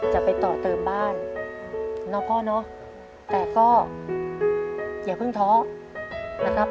จะไปต่อเติมบ้านเนาะพ่อเนอะแต่ก็อย่าเพิ่งท้อนะครับ